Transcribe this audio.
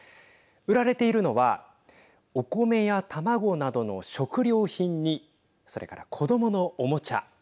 売られているのはお米や卵などの食料品にそれから子どものおもちゃ。